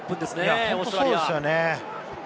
本当にそうですよね。